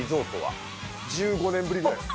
１５年ぶりぐらいです。